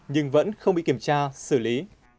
nhưng vẫn không bị kiểm tra xử lý